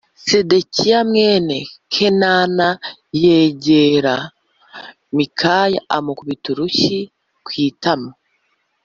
Sedekiya mwene kenana yegera mikaya amukubita urushyi ku itama